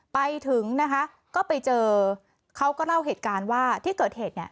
ไปถึงนะคะก็ไปเจอเขาก็เล่าเหตุการณ์ว่าที่เกิดเหตุเนี่ย